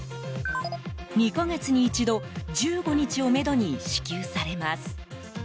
２か月に一度１５日をめどに支給されます。